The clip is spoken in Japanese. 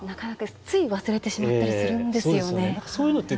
つい忘れてしまったりするんですよね。